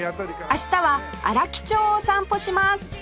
明日は荒木町を散歩します